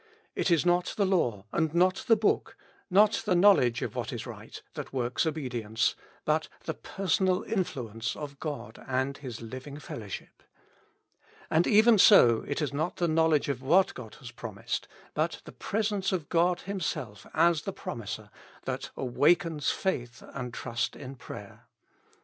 It is not the law, and not the book, not the knowledge of what is right, that works obedience, but the personal influence of God and His living fellowship. And even so it is not the knowledge of whai God has promised, but the pre sence of God Himself as the promiser, that awakens faith and trust in prayer.